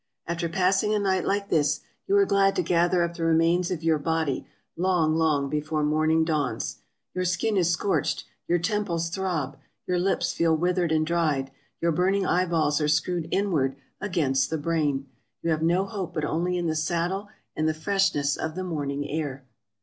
After passing a night like this, you are glad to gather up the remains of your body long, long before morn ing dawns. Your skin is scorched — your temples throb — your lips feel withered and dried — your burning eyeballs are screwed inward against the brain. You have no hope but only in the saddle and the freshness of the morning air.